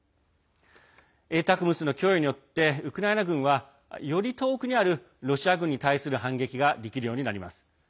「ＡＴＡＣＭＳ」の供与によってウクライナ軍はより遠くにあるロシア軍に対する反撃ができるようになります。